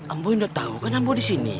amboi sudah tahu kan amboi di sini